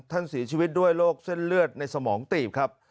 ท่านเสียชีวิตด้วยโรคเส้นเลือดในสมองตีบครับ